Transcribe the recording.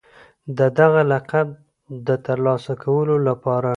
د دغه لقب د ترلاسه کولو لپاره